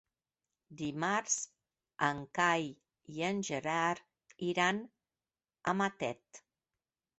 Dimarts en Cai i en Gerard iran a Matet.